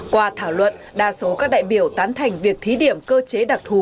qua thảo luận đa số các đại biểu tán thành việc thí điểm cơ chế đặc thù